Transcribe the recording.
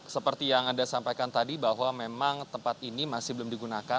seperti yang anda sampaikan tadi bahwa memang tempat ini masih belum digunakan